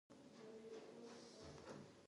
دوی د ماشومانو د حقونو لپاره کار کوي.